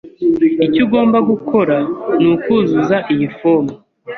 Icyo ugomba gukora nukuzuza iyi fomu.